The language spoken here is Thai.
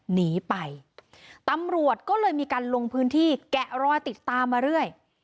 หนีไปตำรวจก็เลยมีการลงพื้นที่แกะรอยติดตามมาเรื่อย